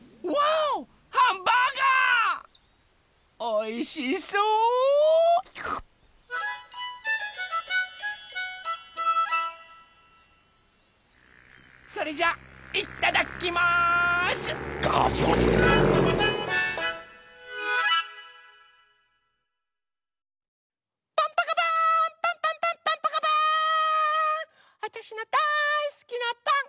わたしのだいすきなパン。